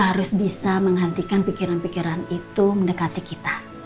harus bisa menghentikan pikiran pikiran itu mendekati kita